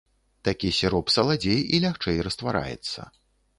Такі сіроп саладзей і лягчэй раствараецца.